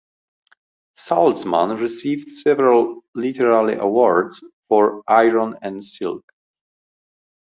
Salzman received several literary awards for "Iron and Silk".